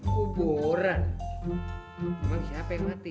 kuburan memang siapa yang mati